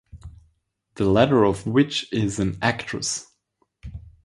The latter of which is an actress.